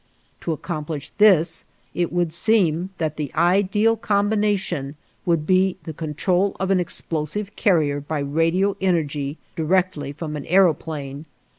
To accomplish this, it would seem that the ideal combination would be the control of an explosive carrier by radio energy directly from an aëroplane.